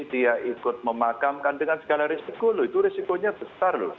dia ikut memakamkan dengan segala risiko loh itu risikonya besar loh